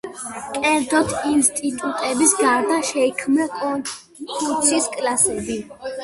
კერძოდ „ინსტიტუტების“ გარდა შეიქმნა კონფუცის „კლასები“.